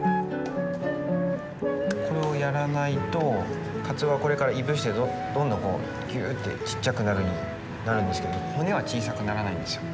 これをやらないと鰹はこれからいぶしてどんどんぎゅってちっちゃくなるんですけど骨は小さくならないんですよ。